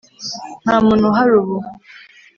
nta muntu uhari ubu